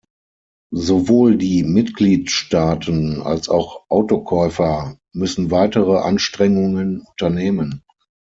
Sowohl die Mitgliedstaaten als auch Autokäufer müssen weitere Anstrengungen unternehmen.